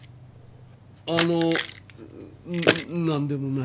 あの何でもない。